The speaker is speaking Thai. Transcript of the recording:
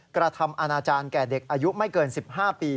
กระทำอาณาจารย์แก่เด็กอายุไม่เกิน๑๕ปี